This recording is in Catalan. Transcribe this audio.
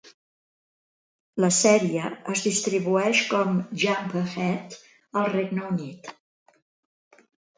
La sèrie es distribueix com "Jump Ahead" al Regne Unit.